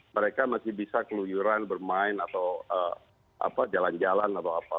mereka masih bisa keluyuran bermain atau jalan jalan atau apa